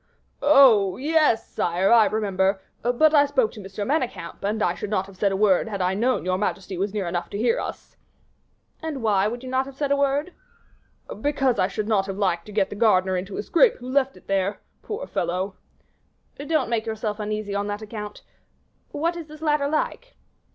"Oh, yes, sire, I remember; but I spoke to M. Manicamp, and I should not have said a word had I known your majesty was near enough to hear us." "And why would you not have said a word?" "Because I should not have liked to get the gardener into a scrape who left it there poor fellow!" "Don't make yourself uneasy on that account. What is this ladder like?"